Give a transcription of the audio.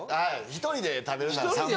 １人で食べるなら３本。